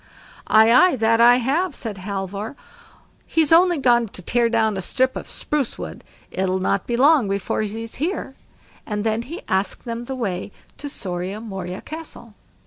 "Aye, aye, that I have", said Halvor, "he's only gone to tear down a strip of spruce wood. It'll not be long before he's here", and then he asked them the way to SORIA MORIA CASTLE.